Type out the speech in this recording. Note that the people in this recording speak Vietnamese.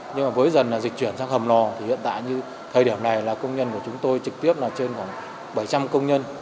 nhưng mà với dần dịch chuyển sang hầm lò thì hiện tại như thời điểm này là công nhân của chúng tôi trực tiếp là trên khoảng bảy trăm linh công nhân